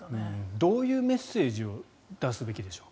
どういうメッセージを出すべきでしょう？